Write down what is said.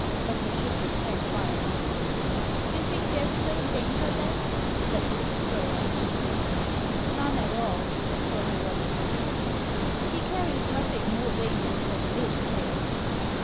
But he shook his head violently. "You think there's no danger, then?" said Mr. Crow, anxiously. "None at all!" Jolly Robin answered him. "He carries nothing more dangerous than milk pails."